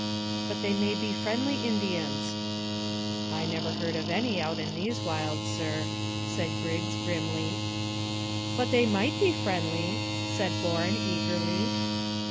"But they may be friendly Indians." "I never heard of any out in these wilds, sir," said Griggs grimly. "But they might be friendly," said Bourne eagerly.